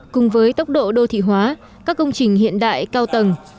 cùng với tốc độ đô thị hóa các công trình hiện đại cao tầng